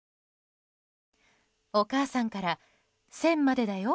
お母さんから、線までだよ。